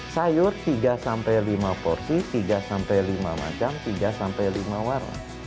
sayur tiga lima porsi tiga lima macam tiga lima warna